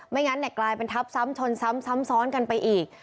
ไม่งั้นเนี่ยกลายเป็นทับซ้ำชนซ้ำซ้ำซ้อนกันไปอีก